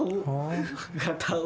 tadi gue ngeliatin aja